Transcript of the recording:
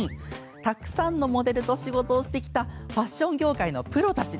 たくさんのモデルと仕事をしてきたファッション業界のプロたち。